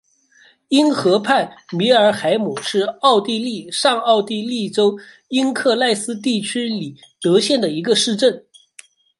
因河畔米尔海姆是奥地利上奥地利州因克赖斯地区里德县的一个市镇。